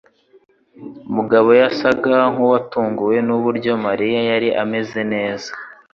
Mugabo yasaga nkuwatunguwe nuburyo Mariya yari ameze neza.